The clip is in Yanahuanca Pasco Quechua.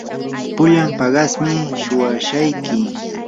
pullan paqasmi suwashayki.